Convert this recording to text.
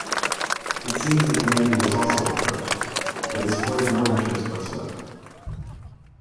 It seems that the Navy was also approached, but displayed no interest whatsoever.